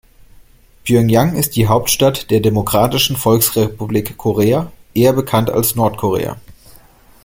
Pjöngjang ist die Hauptstadt der Demokratischen Volksrepublik Korea, eher bekannt als Nordkorea.